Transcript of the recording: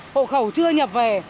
hộ khẩu chưa nhập về